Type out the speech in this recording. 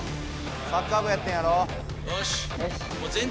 サッカー部やってんやろ？